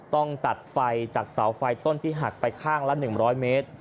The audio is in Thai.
ต้องตัดไฟจากเสาไฟต้นที่หักไปข้างละ๑๐๐เมตร